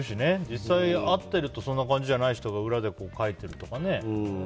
実際に会ってみるとそんな感じじゃない人が裏で書いてるとかね。